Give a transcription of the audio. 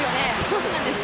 そうなんですよ。